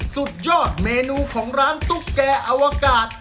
สุดยอดเมนูของร้านตุ๊กแก่อวกาศ